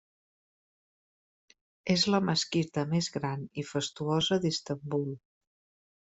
És la mesquita més gran i fastuosa d'Istanbul.